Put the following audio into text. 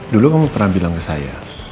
dulu kamu pernah bilang ke saya